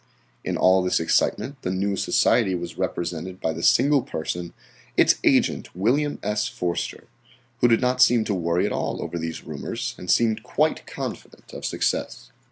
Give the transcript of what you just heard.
In all this excitement the new society was represented by the single person, its agent, William S. Forster, who did not seem to worry at all over all these rumors and seemed quite confident of success.